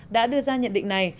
đã đưa ra nhận định này